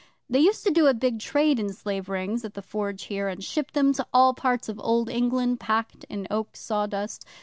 They used to do a big trade in slave rings at the Forge here, and ship them to all parts of Old England, packed in oak sawdust.